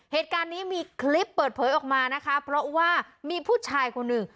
เหตุการณ์นี้มีคลิปเปิดเผยออกมานะคะเพราะว่ามีผู้ชายคนหนึ่ง